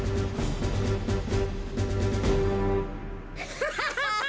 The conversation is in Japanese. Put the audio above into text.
ハハハハハ！